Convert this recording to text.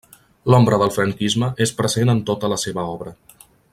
L'ombra del franquisme és present en tota la seva obra.